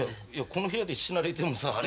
いやこの部屋で死なれてもさ。